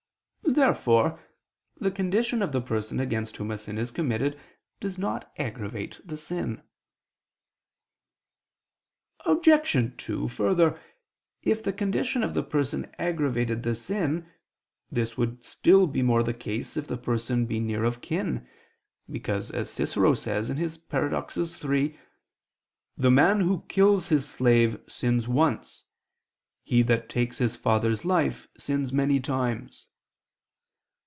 Therefore the condition of the person against whom a sin is committed does not aggravate the sin. Obj. 2: Further, if the condition of the person aggravated the sin, this would be still more the case if the person be near of kin, because, as Cicero says (Paradox. iii): "The man who kills his slave sins once: he that takes his father's life sins many times."